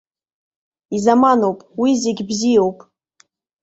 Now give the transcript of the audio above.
Изаманоуп, уи зегьы бзиоуп.